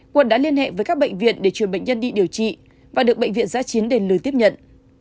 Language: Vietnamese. quận đã liên hệ với các bệnh viện để chuyển bệnh nhân đi điều trị và được bệnh viện giã chiến đền lưới tiếp nhận